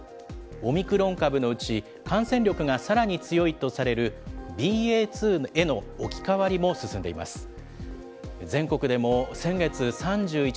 オミクロン株のうち、感染力がさらに強いとされるＢＡ．２への置き換わりも進んでいます。